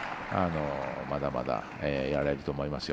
まだまだやれると思いますよ。